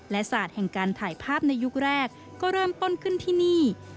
และศาสตร์แห่งการถ่ายภาพในยุคแรกก็เริ่มต้นขึ้นที่นี่